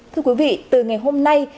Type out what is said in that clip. thưa quý vị từ ngày hôm nay